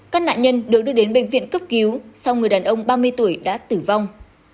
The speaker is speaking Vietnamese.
các nạn nhân được đưa đến bệnh viện cấp cứu sau người đàn ông ba mươi tuổi đã tử vong